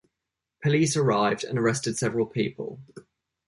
Police arrived and arrested several people.